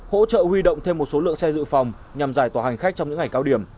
hỗ trợ huy động thêm một số lượng xe dự phòng nhằm giải tỏa hành khách trong những ngày cao điểm